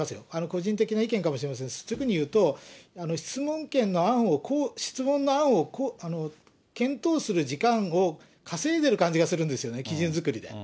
個人的な意見かもしれません、率直に言うと、質問権の案を、質問の案を検討する時間を稼いでる感じがするんですよね、基準作りで。